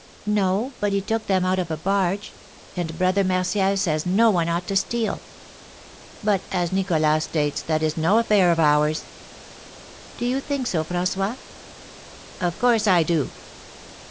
"No; but he took them out of a barge; and Brother Martial says no one ought to steal." "But, as Nicholas states, that is no affair of ours." "Do you think so, François?" "Of course I do."